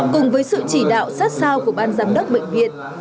cùng với sự chỉ đạo sát sao của ban giám đốc bệnh viện